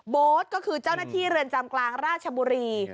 ก็คือเจ้าหน้าที่เรือนจำกลางราชบุรี